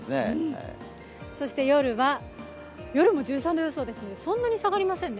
そして夜も１３度予想でそんなに下がりませんね。